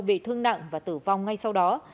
vị thương nặng và tử vong ngay sau đó